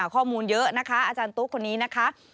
ข้อมูลเยอะนะคะอาจารย์ตุ๊กคนนี้นะคะ